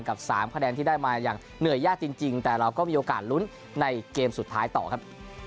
๓คะแนนที่ได้มาอย่างเหนื่อยยากจริงแต่เราก็มีโอกาสลุ้นในเกมสุดท้ายต่อครับ